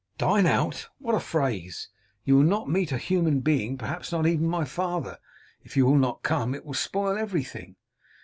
'Dine out! What a phrase! You will not meet a human being; perhaps not even my father. If you will not come, it will spoil everything.